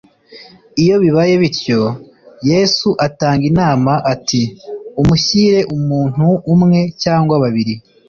Iyo bibaye bityo, Yesu atanga inama ati : "Umushyire umuntu umwe cyangwa babiri."